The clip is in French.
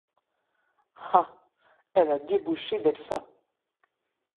Ah! elle a débauché Delphin.